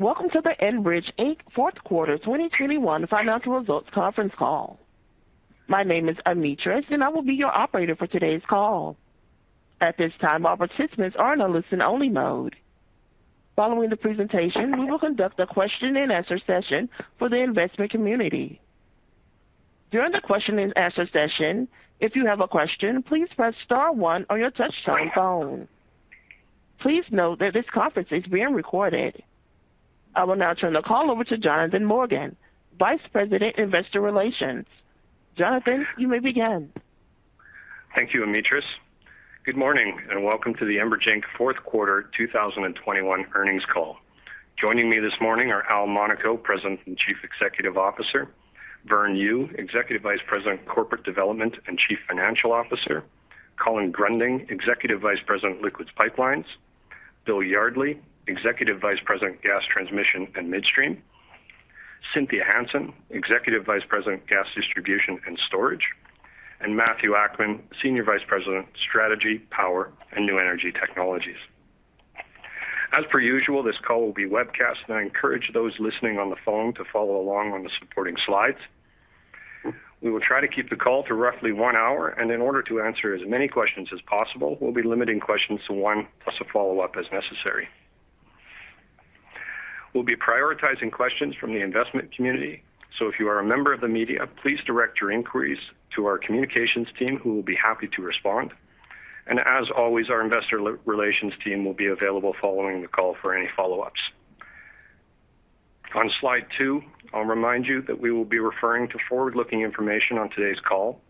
Welcome to the Enbridge Inc. Fourth Quarter 2021 Financial Results Conference Call. My name is Amitris, and I will be your operator for today's call. At this time, all participants are in a listen-only mode. Following the presentation, we will conduct a question-and-answer session for the investment community. During the question-and-answer session, if you have a question, please press star one on your touch-tone phone. Please note that this conference is being recorded. I will now turn the call over to Jonathan Morgan, Vice President, Investor Relations. Jonathan, you may begin. Thank you, Amitris. Good morning, and welcome to the Enbridge Inc. Fourth Quarter 2021 earnings call. Joining me this morning are Al Monaco, President and Chief Executive Officer, Vern Yu, Executive Vice President, Corporate Development and Chief Financial Officer, Colin Gruending, Executive Vice President, Liquids Pipelines, Bill Yardley, Executive Vice President, Gas Transmission and Midstream, Cynthia Hansen, Executive Vice President, Gas Distribution and Storage, and Matthew Akman, Senior Vice President, Strategy, Power and New Energy Technologies. As per usual, this call will be webcast, and I encourage those listening on the phone to follow along on the supporting slides. We will try to keep the call to roughly one hour, and in order to answer as many questions as possible, we'll be limiting questions to one plus a follow-up as necessary. We'll be prioritizing questions from the investment community. If you are a member of the media, please direct your inquiries to our communications team, who will be happy to respond. As always, our investor relations team will be available following the call for any follow-ups. On slide two, I'll remind you that we will be referring to forward-looking information on today's call.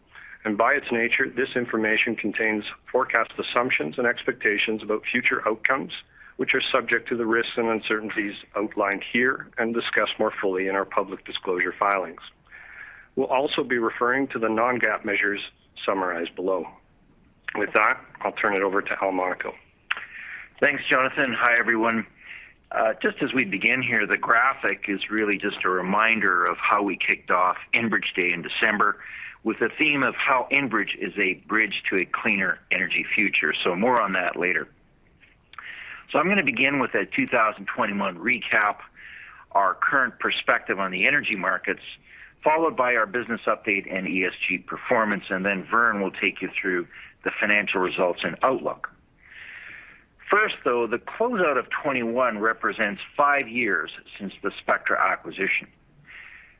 By its nature, this information contains forecast assumptions and expectations about future outcomes, which are subject to the risks and uncertainties outlined here and discussed more fully in our public disclosure filings. We'll also be referring to the non-GAAP measures summarized below. With that, I'll turn it over to Al Monaco. Thanks, Jonathan. Hi, everyone. Just as we begin here, the graphic is really just a reminder of how we kicked off Enbridge Day in December with the theme of how Enbridge is a bridge to a cleaner energy future. More on that later. I'm gonna begin with a 2021 recap, our current perspective on the energy markets, followed by our business update and ESG performance, and then Vern will take you through the financial results and outlook. First, though, the closeout of 2021 represents five years since the Spectra Energy acquisition.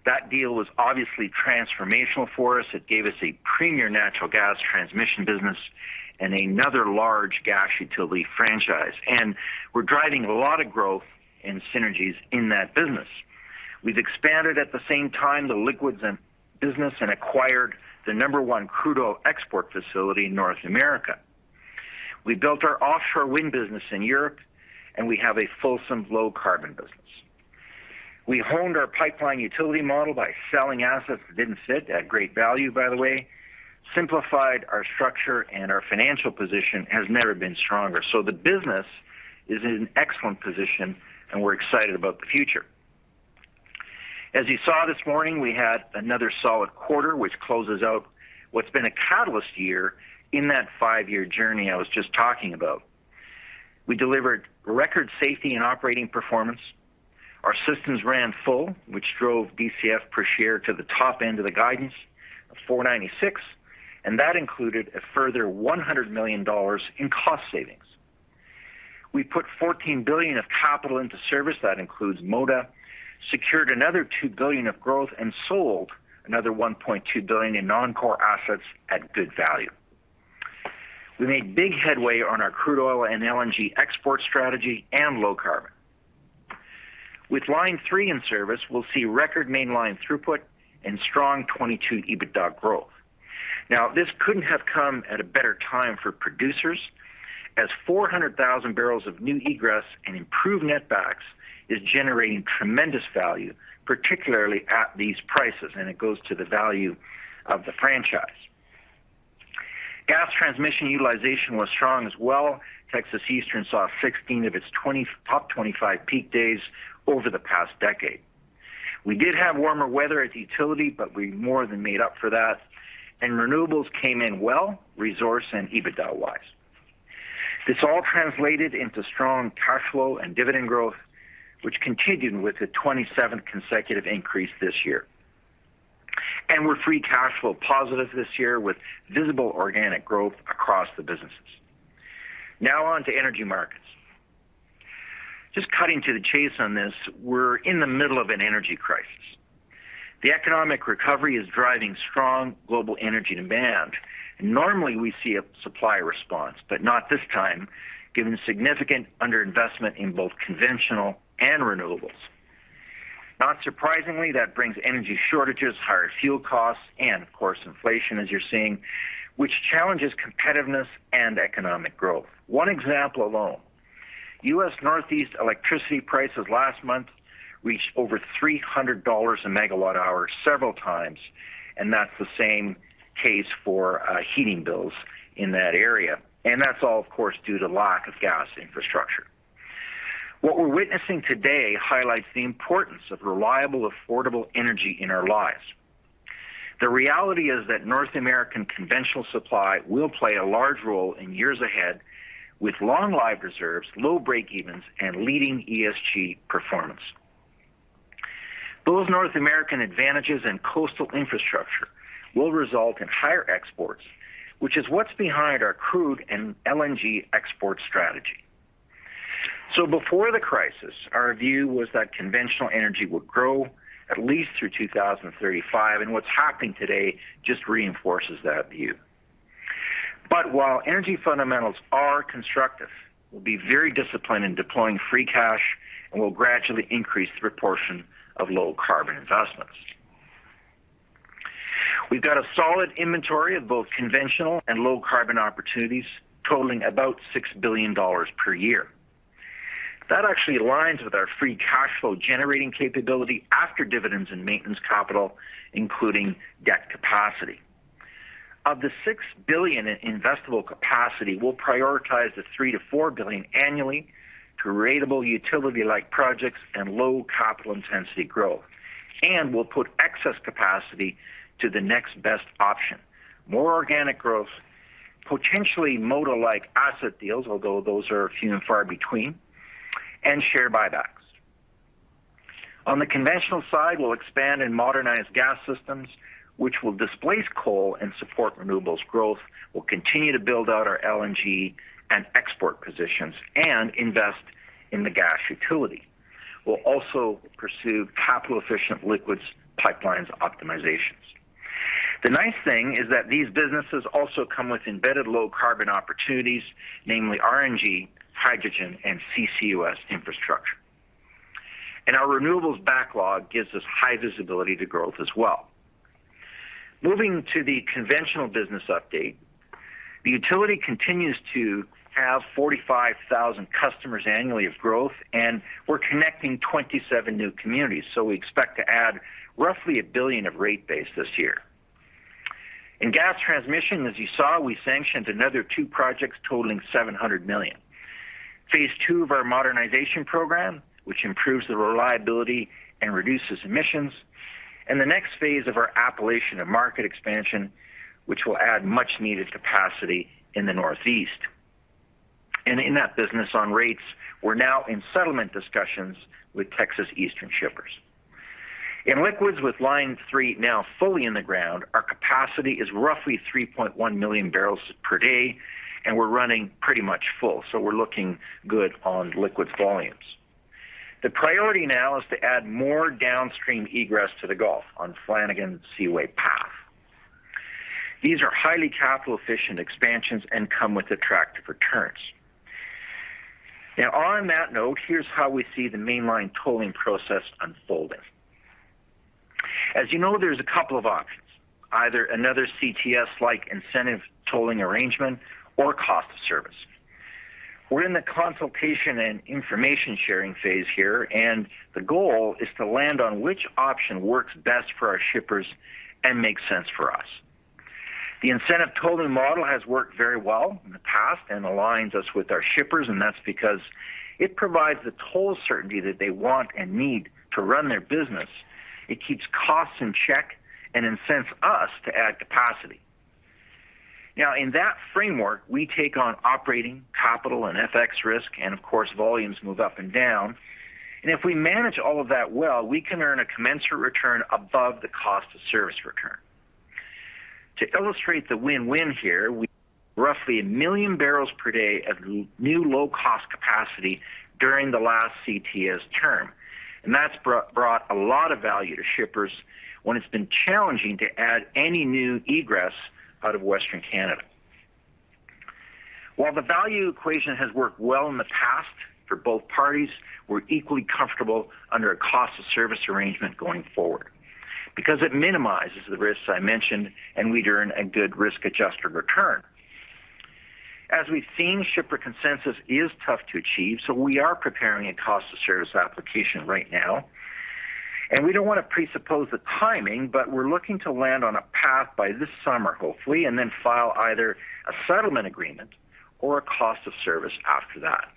That deal was obviously transformational for us. It gave us a premier natural gas transmission business and another large gas utility franchise. We're driving a lot of growth and synergies in that business. We've expanded at the same time the Liquids Pipelines business and acquired the number one crude oil export facility in North America. We built our offshore wind business in Europe, and we have a fulsome low-carbon business. We honed our pipeline utility model by selling assets that didn't fit at great value, by the way, simplified our structure and our financial position has never been stronger. The business is in an excellent position, and we're excited about the future. As you saw this morning, we had another solid quarter, which closes out what's been a catalyst year in that five year journey I was just talking about. We delivered record safety and operating performance. Our systems ran full, which drove DCF per share to the top end of the guidance of $4.96, and that included a further $100 million in cost savings. We put $14 billion of capital into service, that includes Moda, secured another $2 billion of growth and sold another $1.2 billion in non-core assets at good value. We made big headway on our crude oil and LNG export strategy and low carbon. With Line 3 in service, we'll see record Mainline throughput and strong 2022 EBITDA growth. Now, this couldn't have come at a better time for producers as 400,000 barrels of new egress and improved netbacks is generating tremendous value, particularly at these prices, and it goes to the value of the franchise. Gas transmission utilization was strong as well. Texas Eastern saw 16 of its top 25 peak days over the past decade. We did have warmer weather at utility, but we more than made up for that. Renewables came in well, resource and EBITDA-wise. This all translated into strong cash flow and dividend growth, which continued with the 27th consecutive increase this year. We're free cash flow positive this year with visible organic growth across the businesses. Now on to energy markets. Just cutting to the chase on this, we're in the middle of an energy crisis. The economic recovery is driving strong global energy demand. Normally, we see a supply response, but not this time, given the significant under-investment in both conventional and renewables. Not surprisingly, that brings energy shortages, higher fuel costs, and of course, inflation, as you're seeing, which challenges competitiveness and economic growth. One example alone, U.S. Northeast electricity prices last month reached over $300 a megawatt hour several times, and that's the same case for heating bills in that area. That's all, of course, due to lack of gas infrastructure. What we're witnessing today highlights the importance of reliable, affordable energy in our lives. The reality is that North American conventional supply will play a large role in years ahead with long live reserves, low breakevens, and leading ESG performance. Those North American advantages and coastal infrastructure will result in higher exports, which is what's behind our crude and LNG export strategy. Before the crisis, our view was that conventional energy would grow at least through 2035, and what's happening today just reinforces that view. While energy fundamentals are constructive, we'll be very disciplined in deploying free cash and will gradually increase the proportion of low carbon investments. We've got a solid inventory of both conventional and low carbon opportunities totaling about $6 billion per year. That actually aligns with our free cash flow generating capability after dividends and maintenance capital, including debt capacity. Of the 6 billion in investable capacity, we'll prioritize the 3 billion-4 billion annually to ratable utility-like projects and low capital intensity growth. We'll put excess capacity to the next best option. More organic growth, potentially midstream-like asset deals, although those are few and far between, and share buybacks. On the conventional side, we'll expand and modernize gas systems, which will displace coal and support renewables growth. We'll continue to build out our LNG and export positions and invest in the gas utility. We'll also pursue capital-efficient Liquids Pipelines optimizations. The nice thing is that these businesses also come with embedded low carbon opportunities, namely RNG, hydrogen, and CCUS infrastructure. Our renewables backlog gives us high visibility to growth as well. Moving to the conventional business update, the utility continues to have 45,000 customers annually of growth, and we're connecting 27 new communities. We expect to add roughly 1 billion of rate base this year. In Gas Transmission, as you saw, we sanctioned another two projects totaling 700 million. Phase two of our modernization program, which improves the reliability and reduces emissions, and the next phase of our Appalachia to Market, which will add much-needed capacity in the Northeast. In that business on rates, we're now in settlement discussions with Texas Eastern Shippers. In Liquids with Line 3 now fully in the ground, our capacity is roughly 3.1 million barrels per day, and we're running pretty much full. We're looking good on liquids volumes. The priority now is to add more downstream egress to the Gulf on Flanagan Seaway path. These are highly capital-efficient expansions and come with attractive returns. Now on that note, here's how we see the Mainline tolling process unfolding. As you know, there's a couple of options, either another CTS-like incentive tolling arrangement or cost of service. We're in the consultation and information sharing phase here, and the goal is to land on which option works best for our shippers and makes sense for us. The incentive tolling model has worked very well in the past and aligns us with our shippers, and that's because it provides the toll certainty that they want and need to run their business. It keeps costs in check and incents us to add capacity. Now in that framework, we take on operating capital and FX risk, and of course, volumes move up and down. If we manage all of that well, we can earn a commensurate return above the cost of service return. To illustrate the win-win here, we added roughly 1 million barrels per day of new low-cost capacity during the last CTS term. That's brought a lot of value to shippers when it's been challenging to add any new egress out of Western Canada. While the value equation has worked well in the past for both parties, we're equally comfortable under a cost of service arrangement going forward because it minimizes the risks I mentioned, and we'd earn a good risk-adjusted return. As we've seen, shipper consensus is tough to achieve, so we are preparing a cost of service application right now. We don't want to presuppose the timing, but we're looking to land on a path by this summer, hopefully, and then file either a settlement agreement or a cost of service after that.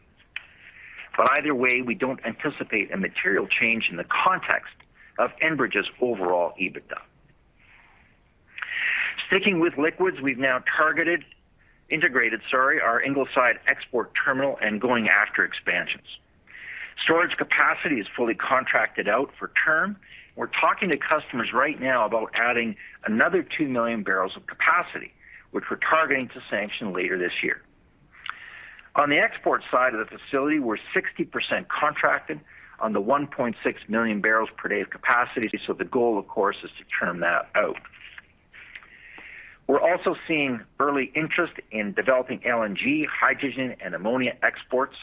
Either way, we don't anticipate a material change in the context of Enbridge's overall EBITDA. Sticking with liquids, we've now integrated, sorry, our Ingleside export terminal and going after expansions. Storage capacity is fully contracted out for term. We're talking to customers right now about adding another 2 million barrels of capacity, which we're targeting to sanction later this year. On the export side of the facility, we're 60% contracted on the 1.6 million barrels per day of capacity. So the goal, of course, is to term that out. We're also seeing early interest in developing LNG, hydrogen, and ammonia exports,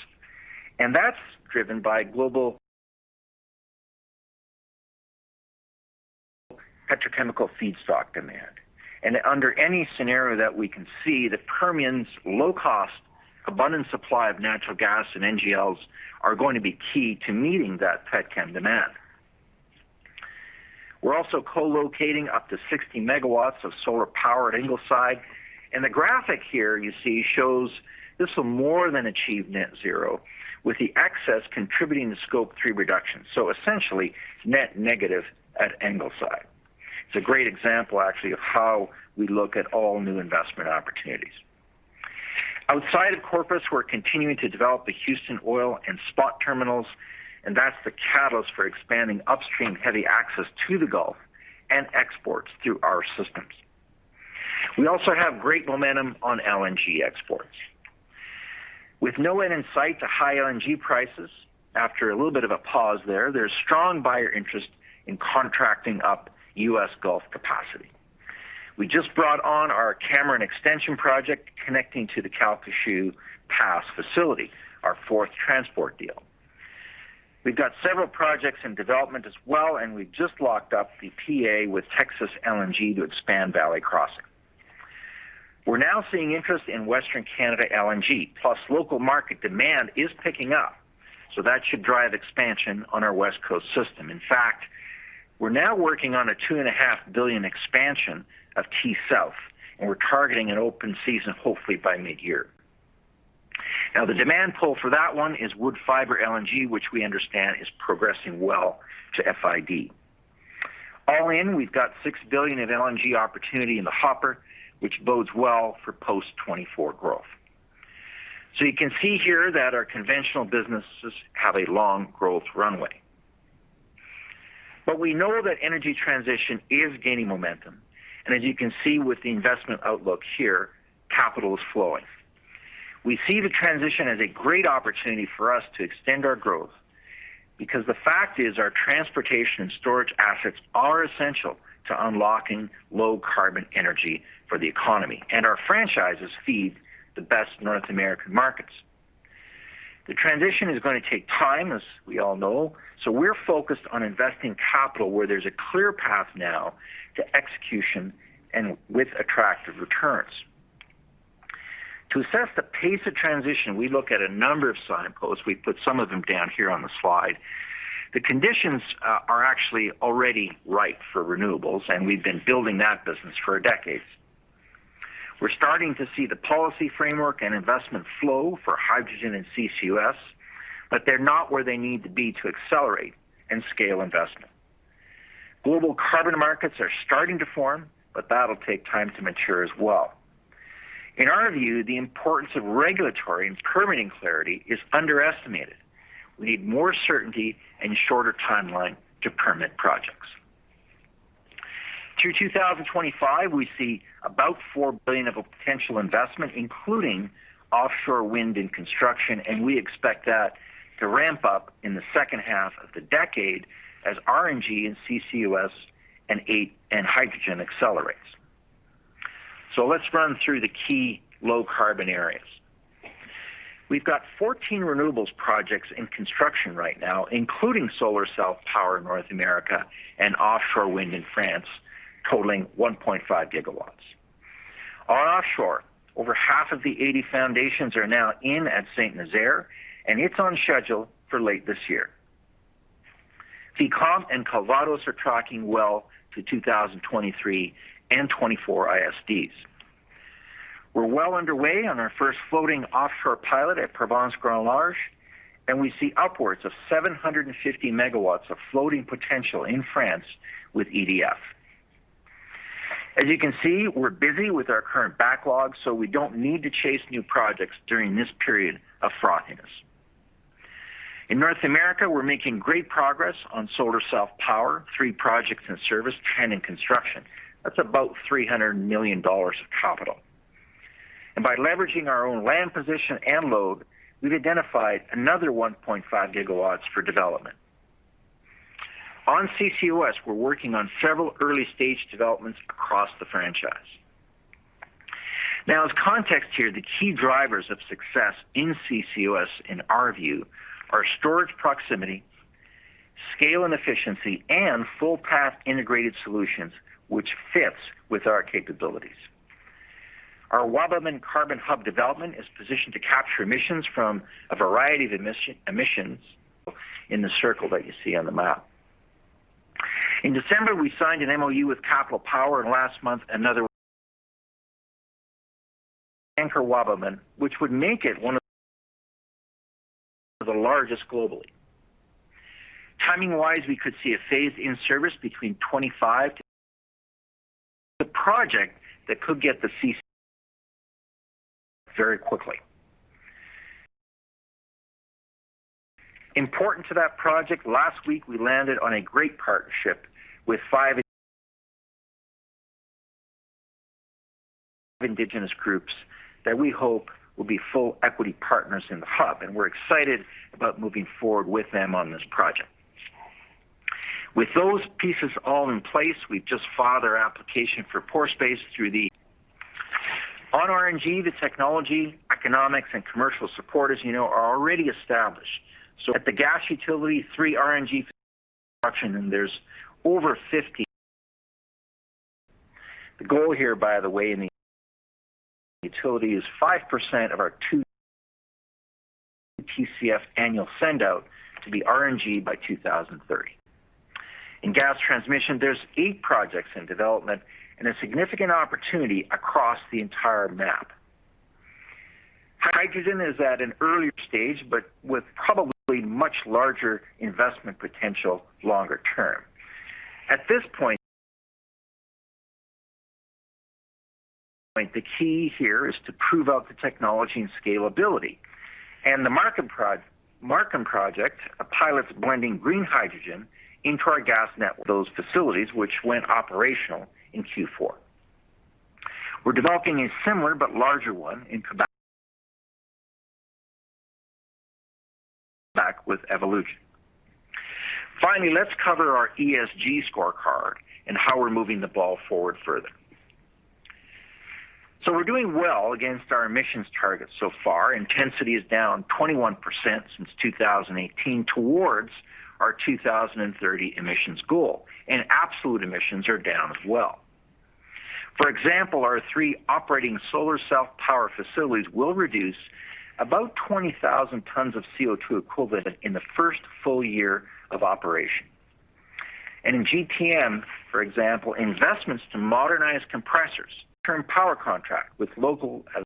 and that's driven by global petrochemical feedstock demand. Under any scenario that we can see, the Permian's low cost, abundant supply of natural gas and NGLs are going to be key to meeting that pet chem demand. We're also co-locating up to 60 MW of solar power at Ingleside. The graphic here you see shows this will more than achieve net zero with the excess contributing to Scope 3 reductions. Essentially, net negative at Ingleside. It's a great example actually of how we look at all new investment opportunities. Outside of Corpus Christi, we're continuing to develop the Houston oil and spot terminals, and that's the catalyst for expanding upstream heavy access to the Gulf and exports through our systems. We also have great momentum on LNG exports. With no end in sight to high LNG prices after a little bit of a pause there's strong buyer interest in contracting up U.S. Gulf capacity. We just brought on our Cameron Extension project connecting to the Calcasieu Pass facility, our fourth transport deal. We've got several projects in development as well, and we just locked up the PA with Texas LNG to expand Valley Crossing. We're now seeing interest in Western Canada LNG, plus local market demand is picking up, so that should drive expansion on our West Coast system. In fact, we're now working on a 2.5 billion expansion of T-South, and we're targeting an open season hopefully by mid-year. Now, the demand pull for that one is Woodfibre LNG, which we understand is progressing well to FID. All in, we've got 6 billion of LNG opportunity in the hopper, which bodes well for post-2024 growth. So you can see here that our conventional businesses have a long growth runway. We know that energy transition is gaining momentum. As you can see with the investment outlook here, capital is flowing. We see the transition as a great opportunity for us to extend our growth because the fact is our transportation and storage assets are essential to unlocking low carbon energy for the economy, and our franchises feed the best North American markets. The transition is gonna take time, as we all know, so we're focused on investing capital where there's a clear path now to execution and with attractive returns. To assess the pace of transition, we look at a number of signposts. We put some of them down here on the slide. The conditions are actually already right for renewables, and we've been building that business for decades. We're starting to see the policy framework and investment flow for hydrogen and CCUS, but they're not where they need to be to accelerate and scale investment. Global carbon markets are starting to form, but that'll take time to mature as well. In our view, the importance of regulatory and permitting clarity is underestimated. We need more certainty and shorter timeline to permit projects. Through 2025, we see about $4 billion of a potential investment, including offshore wind and construction, and we expect that to ramp up in the second half of the decade as RNG and CCUS and H2 and hydrogen accelerates. Let's run through the key low-carbon areas. We've got 14 renewables projects in construction right now, including solar self-power in North America and offshore wind in France, totaling 1.5 GW. On offshore, over half of the 80 foundations are now in at Saint-Nazaire, and it's on schedule for late this year. Fécamp and Calvados are tracking well to 2023 and 2024 ISDs. We're well underway on our first floating offshore pilot at Provence Grand Large, and we see upwards of 750 MW of floating potential in France with EDF. As you can see, we're busy with our current backlog, so we don't need to chase new projects during this period of frothiness. In North America, we're making great progress on solar self-power, three projects in service, 10 in construction. That's about $300 million of capital. By leveraging our own land position and load, we've identified another 1.5 GW for development. On CCUS, we're working on several early-stage developments across the franchise. Now as context here, the key drivers of success in CCUS in our view are storage proximity, scale and efficiency, and full path integrated solutions, which fits with our capabilities. Our Wabamun Carbon Hub development is positioned to capture emissions from a variety of emissions in the circle that you see on the map. In December, we signed an MOU with Capital Power, and last month, another anchor Wabamun, which would make it one of the largest globally. Timing-wise, we could see a phase in service between 2025 the project that could get the CCUS very quickly. Important to that project, last week, we landed on a great partnership with five indigenous groups that we hope will be full equity partners in the hub, and we're excited about moving forward with them on this project. With those pieces all in place, we've just filed our application for pore space through the CER. On RNG, the technology, economics, and commercial support, as you know, are already established. At the gas utility, three RNG and there's over 50. The goal here, by the way, in the utility is 5% of our two TCF annual send-out to be RNG by 2030. In gas transmission, there are eight projects in development and a significant opportunity across the entire map. Hydrogen is at an earlier stage, but with probably much larger investment potential longer term. At this point, the key here is to prove out the technology and scalability. The Markham project pilots blending green hydrogen into our gas network, those facilities which went operational in Q4. We're developing a similar but larger one in Quebec with Evolugen. Finally, let's cover our ESG scorecard and how we're moving the ball forward further. We're doing well against our emissions targets so far. Intensity is down 21% since 2018 towards our 2030 emissions goal, and absolute emissions are down as well. For example, our three operating solar self-power facilities will reduce about 20,000 tons of CO₂ equivalent in the first full year of operation. In GTM, for example, investments to modernize compressors term power contract with local as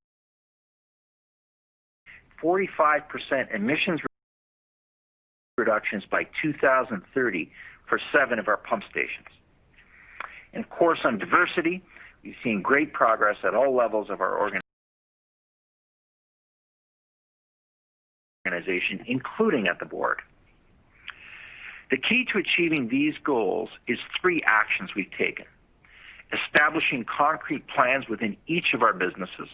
45% emissions reductions by 2030 for seven of our pump stations. Of course, on diversity, we've seen great progress at all levels of our organization, including at the board. The key to achieving these goals is three actions we've taken. Establishing concrete plans within each of our businesses,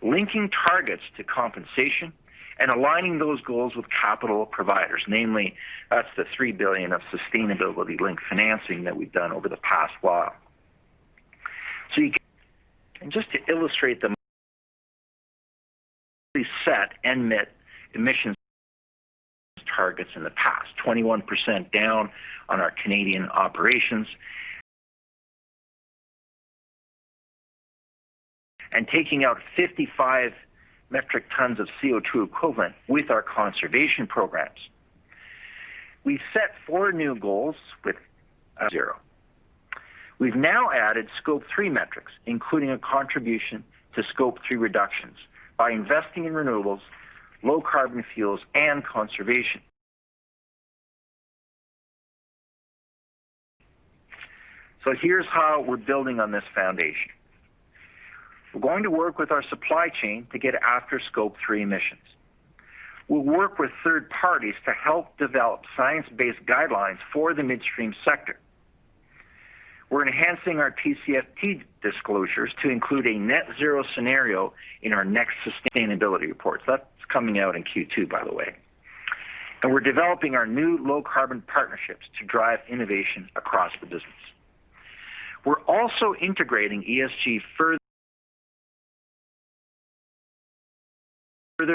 linking targets to compensation, and aligning those goals with capital providers. Namely, that's 3 billion of sustainability-linked financing that we've done over the past while. Just to illustrate the set and met emissions targets in the past. 21% down on our Canadian operations. Taking out 55 metric tons of CO₂ equivalent with our conservation programs. We've set four new goals with zero. We've now added Scope 3 metrics, including a contribution to Scope 3 reductions by investing in renewables, low carbon fuels, and conservation. Here's how we're building on this foundation. We're going to work with our supply chain to get after Scope 3 emissions. We'll work with third parties to help develop science-based guidelines for the midstream sector. We're enhancing our TCFD disclosures to include a net zero scenario in our next sustainability report. That's coming out in Q2, by the way. We're developing our new low-carbon partnerships to drive innovation across the business. We're also integrating ESG further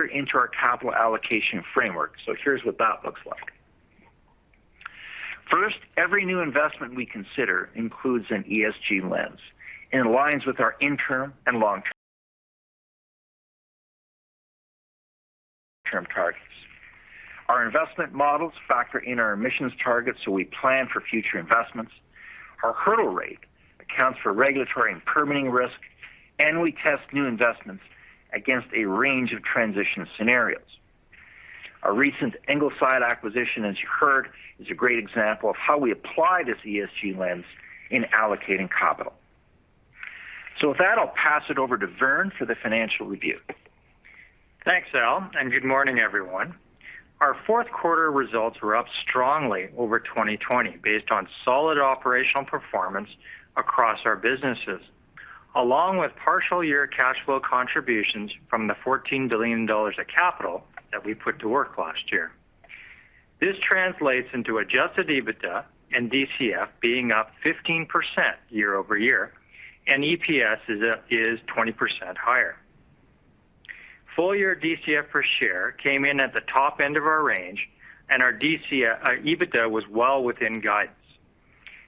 into our capital allocation framework. Here's what that looks like. First, every new investment we consider includes an ESG lens and aligns with our interim and long-term targets. Our investment models factor in our emissions targets, so we plan for future investments. Our hurdle rate accounts for regulatory and permitting risk, and we test new investments against a range of transition scenarios. Our recent Ingleside acquisition, as you heard, is a great example of how we apply this ESG lens in allocating capital. With that, I'll pass it over to Vern for the financial review. Thanks, Al, and good morning, everyone. Our fourth quarter results were up strongly over 2020 based on solid operational performance across our businesses, along with partial year cash flow contributions from the $14 billion of capital that we put to work last year. This translates into adjusted EBITDA and DCF being up 15% year-over-year, and EPS is 20% higher. Full year DCF per share came in at the top end of our range, and our DCF, our EBITDA was well within guidance.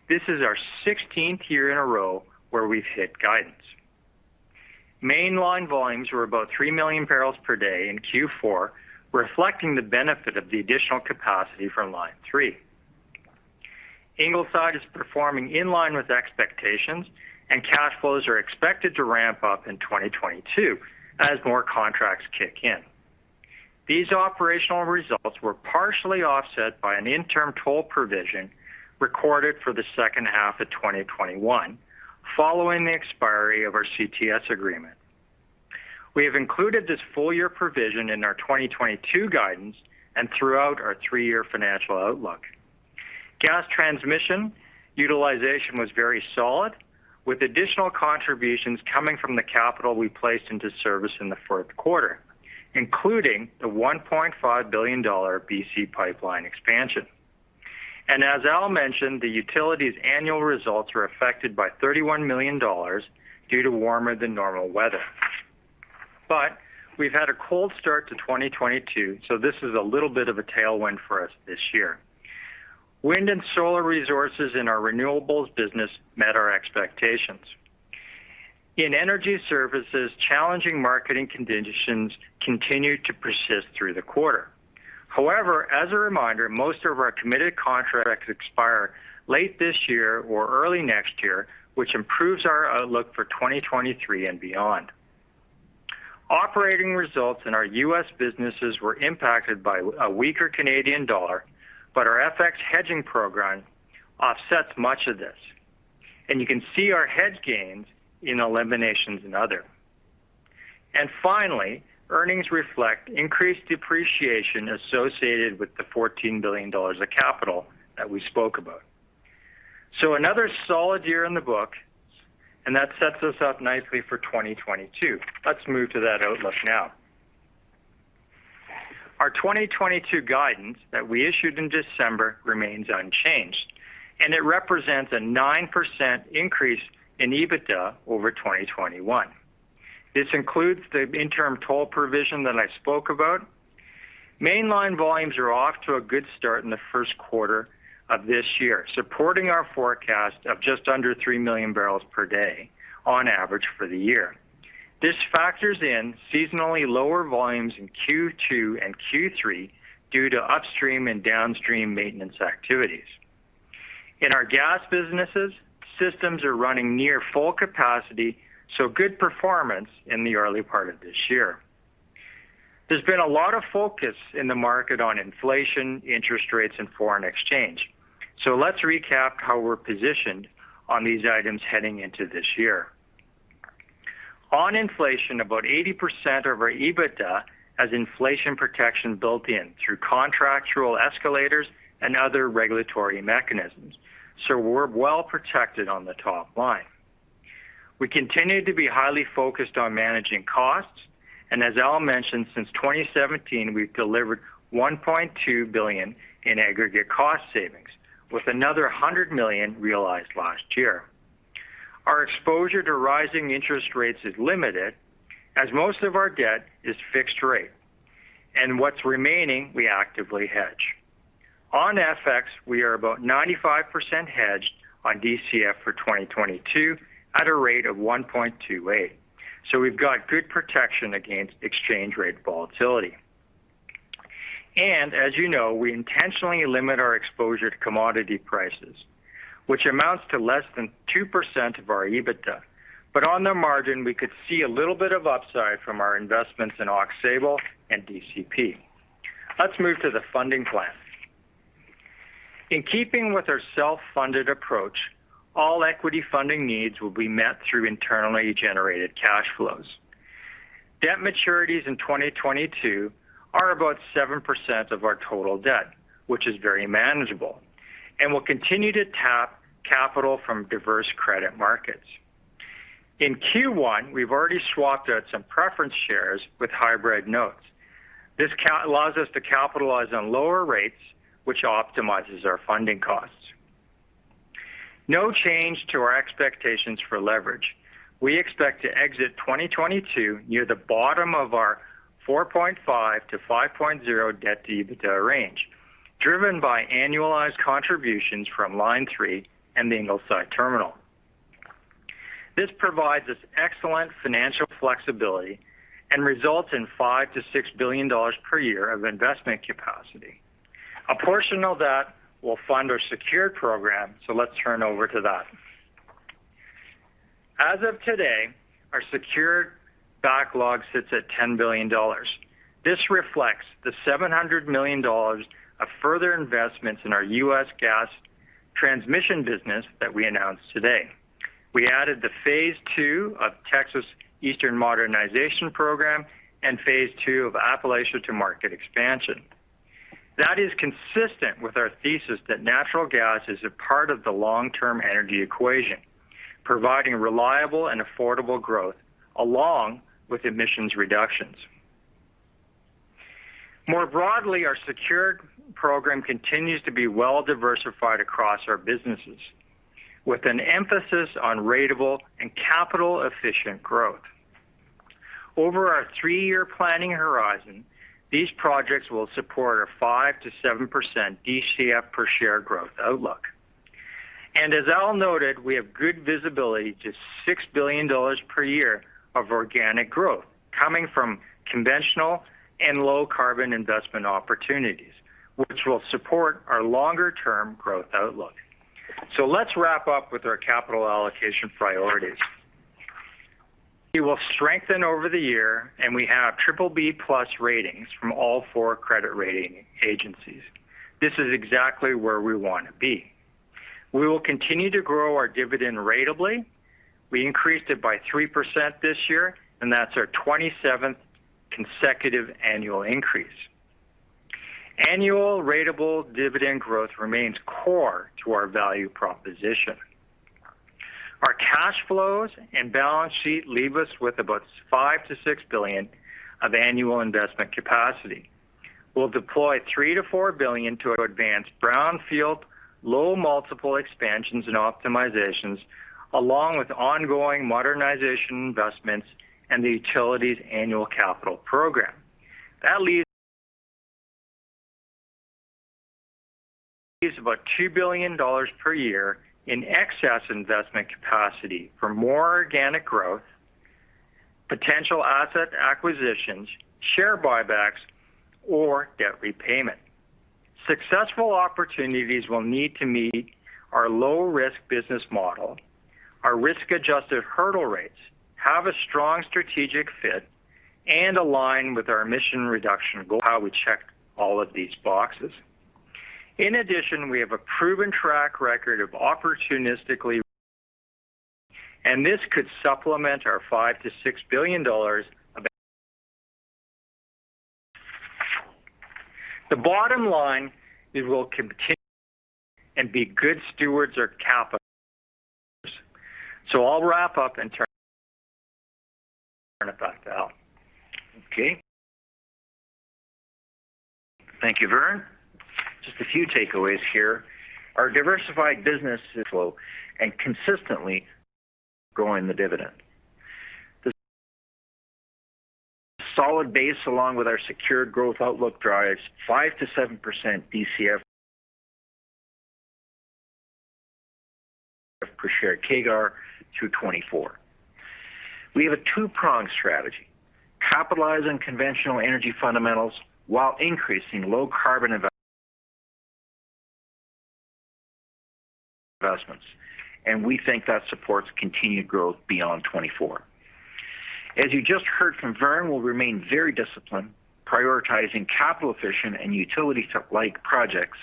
This is our 16th year in a row where we've hit guidance. Mainline volumes were about 3 million barrels per day in Q4, reflecting the benefit of the additional capacity from Line 3. Ingleside is performing in line with expectations, and cash flows are expected to ramp up in 2022 as more contracts kick in. These operational results were partially offset by an interim toll provision recorded for the second half of 2021 following the expiry of our CTS agreement. We have included this full-year provision in our 2022 guidance and throughout our three-year financial outlook. Gas transmission utilization was very solid, with additional contributions coming from the capital we placed into service in the fourth quarter, including the 1.5 billion dollar BC Pipeline expansion. As Al mentioned, the utility's annual results were affected by 31 million dollars due to warmer than normal weather. We've had a cold start to 2022, so this is a little bit of a tailwind for us this year. Wind and solar resources in our renewables business met our expectations. In energy services, challenging marketing conditions continued to persist through the quarter. However, as a reminder, most of our committed contracts expire late this year or early next year, which improves our outlook for 2023 and beyond. Operating results in our U.S. businesses were impacted by a weaker Canadian dollar, but our FX hedging program offsets much of this. You can see our hedge gains in eliminations and other. Finally, earnings reflect increased depreciation associated with the $14 billion of capital that we spoke about. Another solid year in the books, and that sets us up nicely for 2022. Let's move to that outlook now. Our 2022 guidance that we issued in December remains unchanged, and it represents a 9% increase in EBITDA over 2021. This includes the interim toll provision that I spoke about. Mainline volumes are off to a good start in the first quarter of this year, supporting our forecast of just under 3 million barrels per day on average for the year. This factors in seasonally lower volumes in Q2 and Q3 due to upstream and downstream maintenance activities. In our gas businesses, systems are running near full capacity, so good performance in the early part of this year. There's been a lot of focus in the market on inflation, interest rates, and foreign exchange. Let's recap how we're positioned on these items heading into this year. On inflation, about 80% of our EBITDA has inflation protection built in through contractual escalators and other regulatory mechanisms. We're well-protected on the top line. We continue to be highly focused on managing costs, and as Al mentioned, since 2017, we've delivered $1.2 billion in aggregate cost savings, with another $100 million realized last year. Our exposure to rising interest rates is limited, as most of our debt is fixed-rate, and what's remaining, we actively hedge. On FX, we are about 95% hedged on DCF for 2022 at a rate of 1.28. We've got good protection against exchange rate volatility. As you know, we intentionally limit our exposure to commodity prices, which amounts to less than 2% of our EBITDA. On the margin, we could see a little bit of upside from our investments in Aux Sable and DCP. Let's move to the funding plan. In keeping with our self-funded approach, all equity funding needs will be met through internally generated cash flows. Debt maturities in 2022 are about 7% of our total debt, which is very manageable, and we'll continue to tap capital from diverse credit markets. In Q1, we've already swapped out some preference shares with hybrid notes. This allows us to capitalize on lower rates, which optimizes our funding costs. No change to our expectations for leverage. We expect to exit 2022 near the bottom of our 4.5-5.0 debt-to-EBITDA range, driven by annualized contributions from Line 3 and the Ingleside Terminal. This provides us excellent financial flexibility and results in $5 billion-$6 billion per year of investment capacity. A portion of that will fund our secured program, let's turn over to that. As of today, our secured backlog sits at $10 billion. This reflects the $700 million of further investments in our U.S. gas transmission business that we announced today. We added the phase II of Texas Eastern Modernization Program and phase II of Appalachia to Market. That is consistent with our thesis that natural gas is a part of the long-term energy equation, providing reliable and affordable growth along with emissions reductions. More broadly, our secured program continues to be well-diversified across our businesses with an emphasis on ratable and capital-efficient growth. Over our three-year planning horizon, these projects will support a 5%-7% DCF per share growth outlook. As Al noted, we have good visibility to $6 billion per year of organic growth coming from conventional and low-carbon investment opportunities, which will support our longer-term growth outlook. Let's wrap up with our capital allocation priorities. We will strengthen over the year, and we have BBB+ ratings from all four credit rating agencies. This is exactly where we wanna be. We will continue to grow our dividend ratably. We increased it by 3% this year, and that's our 27th consecutive annual increase. Annual ratable dividend growth remains core to our value proposition. Our cash flows and balance sheet leave us with about $5 billion-$6 billion of annual investment capacity. We'll deploy $3 billion-$4 billion to advanced brownfield, low multiple expansions and optimizations, along with ongoing modernization investments and the utilities annual capital program. That leaves about $2 billion per year in excess investment capacity for more organic growth, potential asset acquisitions, share buybacks or debt repayment. Successful opportunities will need to meet our low-risk business model, our risk-adjusted hurdle rates, have a strong strategic fit, and align with our emission reduction goal. How we check all of these boxes. In addition, we have a proven track record of opportunistically. This could supplement our $5 billion-$6 billion of. The bottom line is we'll continue and be good stewards of capital. I'll wrap up and turn it back to Al. Okay. Thank you, Vern. Just a few takeaways here. Our diversified business is low and consistently growing the dividend. The solid base, along with our secured growth outlook, drives 5%-7% DCF per share CAGR through 2024. We have a two-pronged strategy, capitalizing conventional energy fundamentals while increasing low carbon investments. We think that supports continued growth beyond 2024. As you just heard from Vern, we'll remain very disciplined, prioritizing capital efficient and utility-like projects,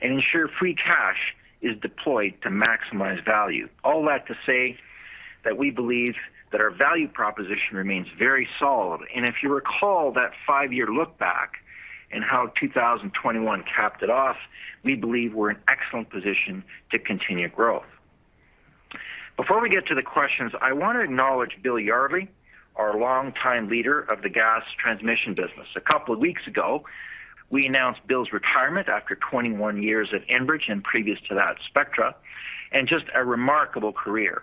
and ensure free cash is deployed to maximize value. All that to say that we believe that our value proposition remains very solid. If you recall that five-year look back and how 2021 capped it off, we believe we're in excellent position to continue growth. Before we get to the questions, I want to acknowledge Bill Yardley, our longtime leader of the gas transmission business. A couple of weeks ago, we announced Bill's retirement after 21 years at Enbridge, and previous to that Spectra, and just a remarkable career.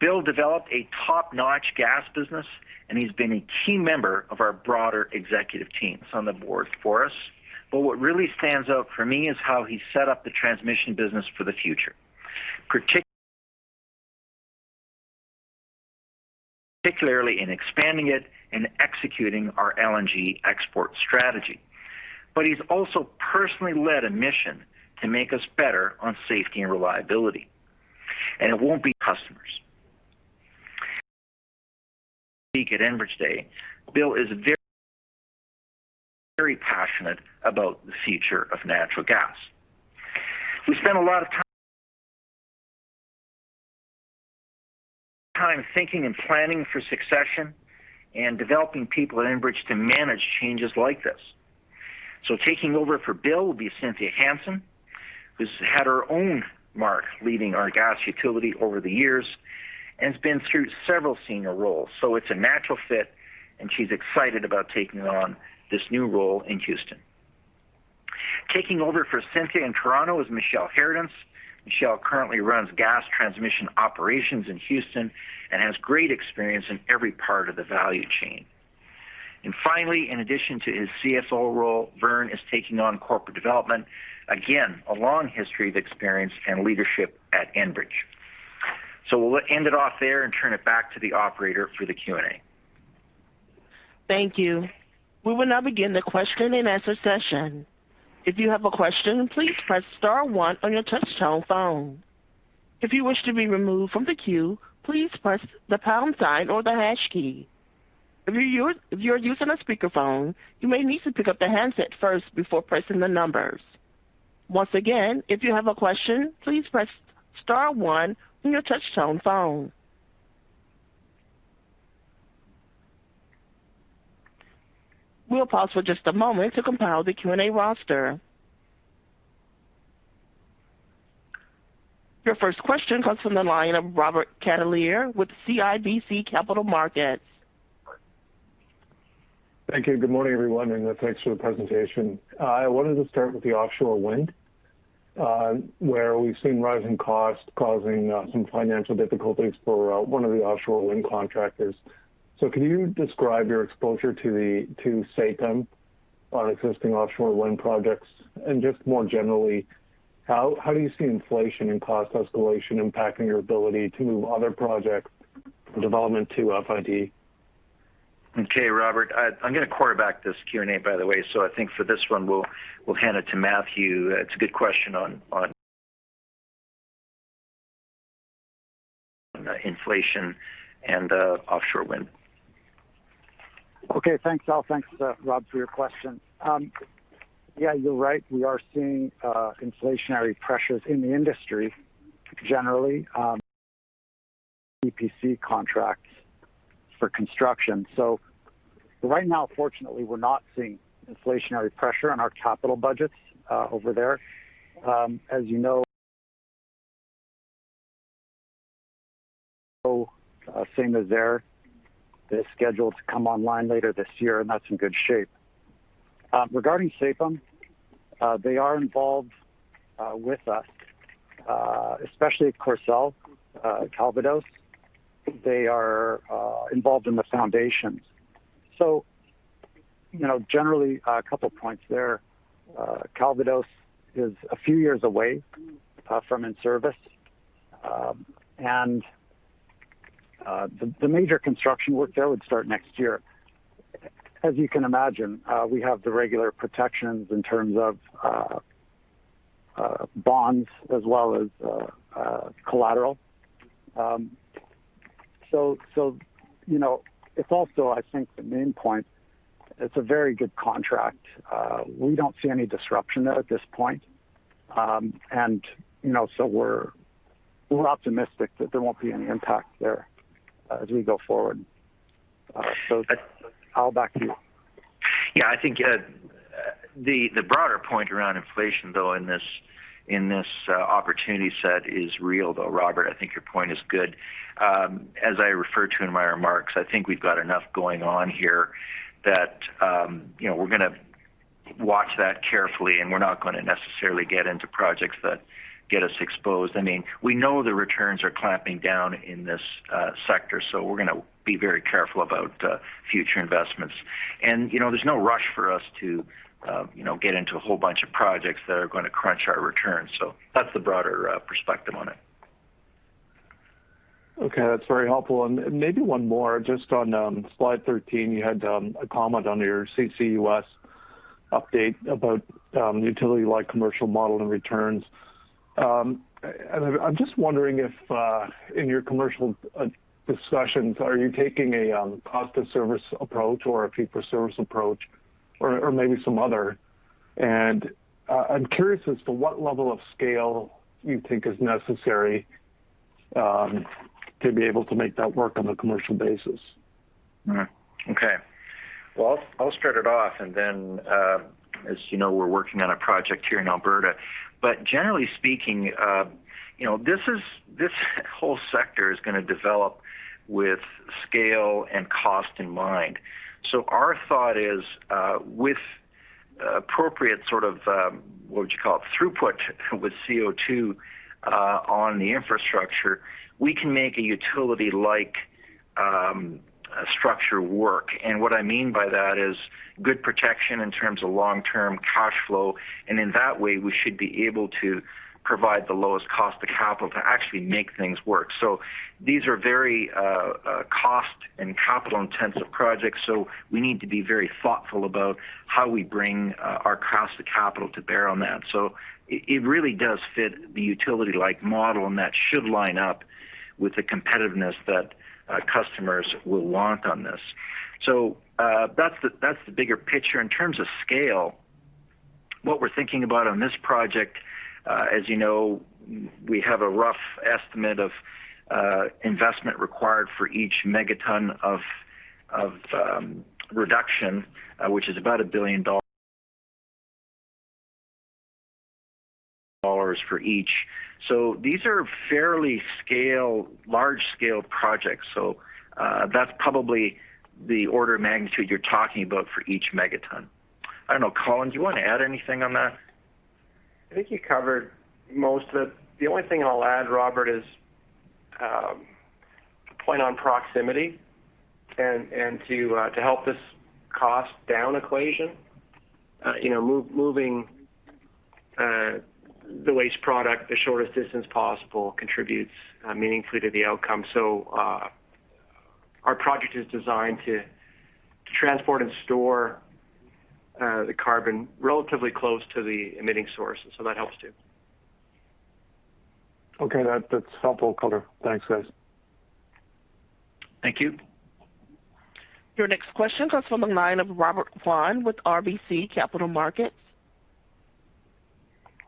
Bill developed a top-notch gas business, and he's been a key member of our broader executive teams on the board for us. What really stands out for me is how he set up the transmission business for the future, particularly in expanding it and executing our LNG export strategy. He's also personally led a mission to make us better on safety and reliability. It won't be lost on customers. He'll speak at Enbridge Day. Bill is very, very passionate about the future of natural gas. We spent a lot of time thinking and planning for succession and developing people at Enbridge to manage changes like this. Taking over for Bill will be Cynthia Hansen, who's had her own mark leading our gas utility over the years and has been through several senior roles. It's a natural fit, and she's excited about taking on this new role in Houston. Taking over for Cynthia in Toronto is Michele Harradence. Michele currently runs gas transmission operations in Houston and has great experience in every part of the value chain. Finally, in addition to his CSO role, Vern is taking on corporate development. Again, a long history of experience and leadership at Enbridge. We'll end it off there and turn it back to the operator for the Q&A. Thank you. We will now begin the Q&A session. If you have a question, please press star one on your touch tone phone. If you wish to be removed from the queue, please press the pound sign or the hash key. If you're using a speakerphone, you may need to pick up the handset first before pressing the numbers. Once again, if you have a question, please press star one on your touch tone phone. We'll pause for just a moment to compile the Q&A roster. Your first question comes from the line of Robert Catellier with CIBC Capital Markets. Thank you. Good morning, everyone, and thanks for the presentation. I wanted to start with the offshore wind, where we've seen rising costs causing some financial difficulties for one of the offshore wind contractors. Can you describe your exposure to Saipem on existing offshore wind projects? Just more generally, how do you see inflation and cost escalation impacting your ability to move other projects development to FID? Okay, Robert, I'm gonna quarterback this Q&A, by the way. I think for this one we'll hand it to Matthew. It's a good question on inflation and offshore wind. Okay, thanks, Al. Thanks, Rob, for your question. Yeah, you're right. We are seeing inflationary pressures in the industry generally, EPC contracts for construction. Right now, fortunately, we're not seeing inflationary pressure on our capital budgets over there. As you know, same as there. They're scheduled to come online later this year, and that's in good shape. Regarding Saipem, they are involved with us, especially at Courseulles-sur-Mer, Calvados. They are involved in the foundations. You know, generally a couple of points there. Calvados is a few years away from in-service. The major construction work there would start next year. As you can imagine, we have the regular protections in terms of bonds as well as collateral. You know, it's also I think the main point, it's a very good contract. We don't see any disruption there at this point. You know, we're optimistic that there won't be any impact there as we go forward. Al, back to you. Yeah. I think the broader point around inflation though in this opportunity set is real, though, Robert, I think your point is good. As I referred to in my remarks, I think we've got enough going on here that, you know, we're gonna watch that carefully, and we're not gonna necessarily get into projects that get us exposed. I mean, we know the returns are clamping down in this sector, so we're gonna be very careful about future investments. You know, there's no rush for us to, you know, get into a whole bunch of projects that are gonna crunch our returns, so that's the broader perspective on it. Okay. That's very helpful. Maybe one more just on slide 13, you had a comment on your CCUS update about utility-like commercial model and returns. I'm just wondering if in your commercial discussions, are you taking a cost of service approach or a fee for service approach or maybe some other? I'm curious as to what level of scale you think is necessary to be able to make that work on a commercial basis. All right. Okay. Well I'll start it off and then, as you know, we're working on a project here in Alberta, but generally speaking, you know, this whole sector is gonna develop with scale and cost in mind. Our thought is, with appropriate sort of, what would you call it? Throughput with CO2, on the infrastructure, we can make a utility-like structure work. And what I mean by that is good protection in terms of long-term cash flow, and in that way, we should be able to provide the lowest cost of capital to actually make things work. These are very cost and capital-intensive projects, so we need to be very thoughtful about how we bring our cost of capital to bear on that. It really does fit the utility-like model, and that should line up with the competitiveness that customers will want on this. That's the bigger picture. In terms of scale, what we're thinking about on this project, as you know, we have a rough estimate of investment required for each megaton of reduction, which is about $1 billion for each. These are fairly large-scale projects, so that's probably the order of magnitude you're talking about for each megaton. I don't know. Colin, do you want to add anything on that? I think you covered most of it. The only thing I'll add, Robert, is a point on proximity and to help this cost down equation, you know, moving the waste product the shortest distance possible contributes meaningfully to the outcome. Our project is designed to transport and store the carbon relatively close to the emitting source. That helps too. Okay. That's helpful color. Thanks, guys. Thank you. Your next question comes from the line of Robert Kwan with RBC Capital Markets.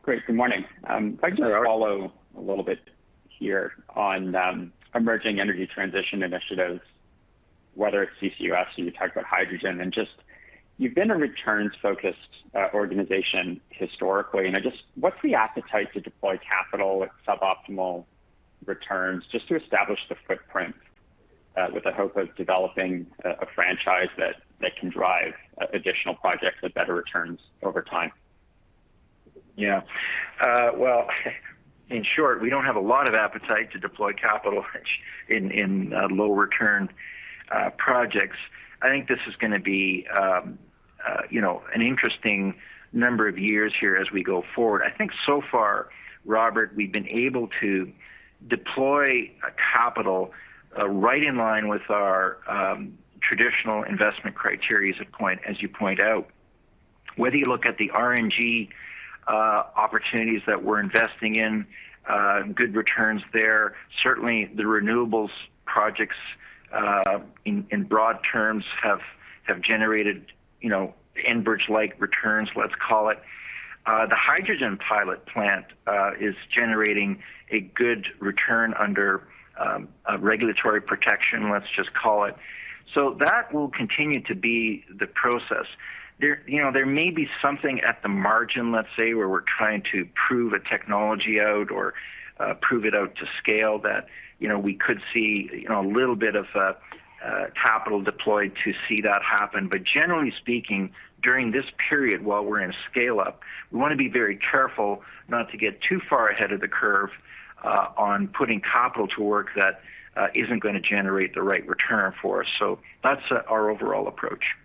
Great. Good morning. Good morning, Robert. If I can just follow a little bit here on emerging energy transition initiatives, whether it's CCUS or you talked about hydrogen and just you've been a returns-focused organization historically, and what's the appetite to deploy capital at suboptimal returns just to establish the footprint with the hope of developing a franchise that can drive additional projects with better returns over time? Yeah. Well, in short, we don't have a lot of appetite to deploy capital in low return projects. I think this is gonna be you know, an interesting number of years here as we go forward. I think so far, Robert, we've been able to deploy capital right in line with our traditional investment criteria as you point out. Whether you look at the RNG opportunities that we're investing in, good returns there. Certainly, the renewables projects in broad terms have generated you know, Enbridge-like returns, let's call it. The hydrogen pilot plant is generating a good return under a regulatory protection, let's just call it. So that will continue to be the process. You know, there may be something at the margin, let's say, where we're trying to prove a technology out or prove it out to scale that, you know, we could see, you know, a little bit of capital deployed to see that happen. Generally speaking, during this period while we're in a scale-up, we wanna be very careful not to get too far ahead of the curve on putting capital to work that isn't gonna generate the right return for us. That's our overall approach.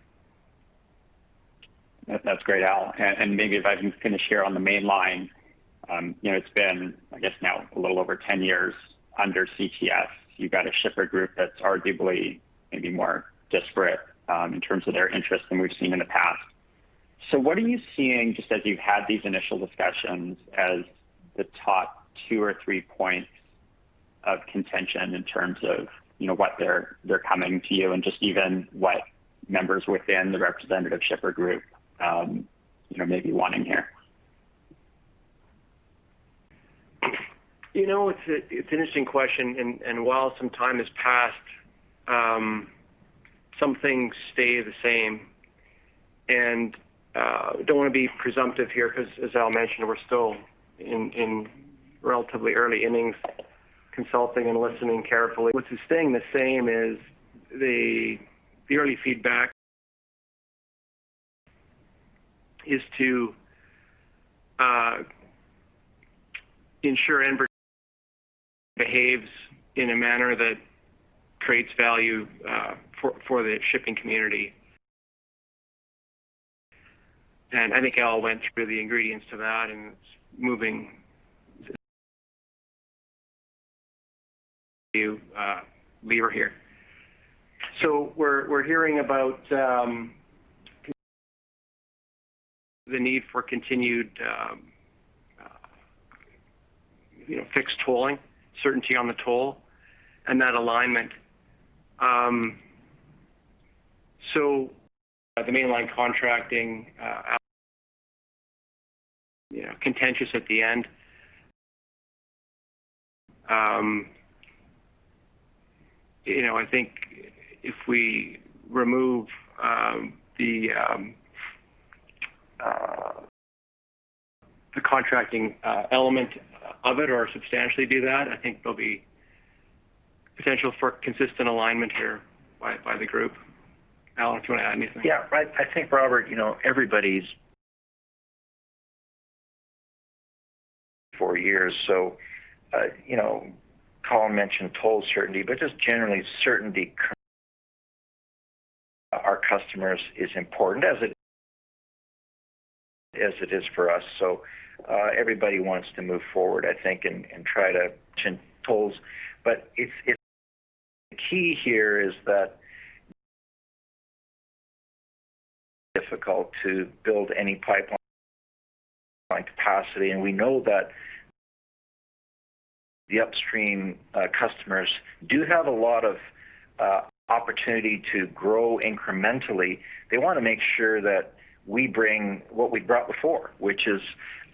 That's great, Al. Maybe if I can finish here on the Mainline, you know, it's been, I guess now a little over 10 years under CTS. You've got a shipper group that's arguably maybe more disparate in terms of their interest than we've seen in the past. What are you seeing, just as you've had these initial discussions as the top 2 or 3 points of contention in terms of, you know, what they're coming to you and just even what members within the representative shipper group, you know, may be wanting here? You know, it's an interesting question. While some time has passed, some things stay the same. Don't wanna be presumptive here because as Al mentioned, we're still in relatively early innings consulting and listening carefully. What is staying the same is the early feedback is to ensure Enbridge behaves in a manner that creates value for the shipping community. I think Al went through the ingredients to that and moving you, we are here. We're hearing about the need for continued you know, fixed tolling, certainty on the toll and that alignment. The Mainline contracting you know, contentious at the end. You know, I think if we remove the contracting element of it or substantially do that, I think there'll be potential for consistent alignment here by the group. Al, do you wanna add anything? Yeah. I think, Robert, you know, everybody's for years, so, you know, Colin mentioned toll certainty, but just generally certainty for our customers is important as it is for us. Everybody wants to move forward, I think, and try to tolls. It's key here is that it's difficult to build any pipeline capacity. We know that the upstream customers do have a lot of opportunity to grow incrementally. They wanna make sure that we bring what we brought before, which is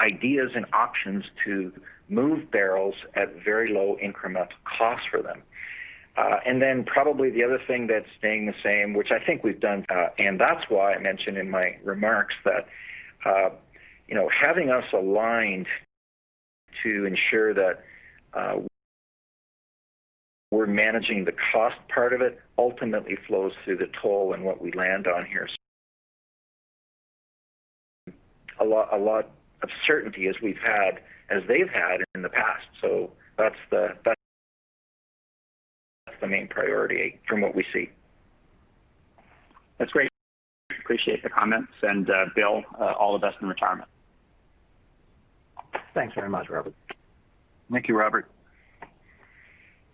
ideas and options to move barrels at very low incremental cost for them. Probably the other thing that's staying the same, which I think we've done, and that's why I mentioned in my remarks that, you know, having us aligned to ensure that, we're managing the cost part of it ultimately flows through the toll and what we land on here. A lot of certainty as we've had, as they've had in the past. That's the main priority from what we see. That's great. Appreciate the comments. Bill, all the best in retirement. Thanks very much, Robert. Thank you, Robert.